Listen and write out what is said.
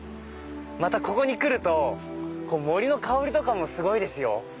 またここに来ると森の香りとかもすごいですよ。